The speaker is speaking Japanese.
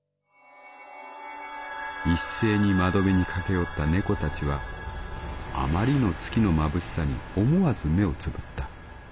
「いっせいに窓辺に駆け寄った猫たちはあまりの月のまぶしさに思わず目をつぶった。